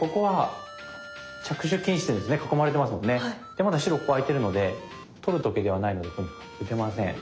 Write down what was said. でまだ白ここ空いてるので取る時ではないのでここには打てません。